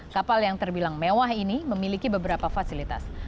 kapal yang terbilang mewah ini memiliki beberapa fasilitas